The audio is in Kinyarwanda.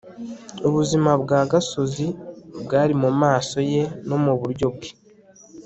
Ubuzima bwa gasozi bwari mumaso ye no muburyo bwe